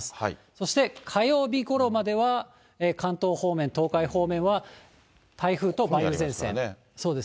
そして火曜日ごろまでは関東方面、東海方面は、台風と梅雨前線。